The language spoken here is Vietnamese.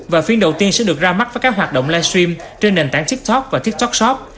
và phiên đầu tiên sẽ được ra mắt với các hoạt động livestream trên nền tảng tiktok và tiktok shop